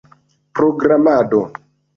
programado